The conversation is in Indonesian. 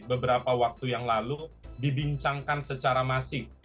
beberapa waktu yang lalu dibincangkan secara masif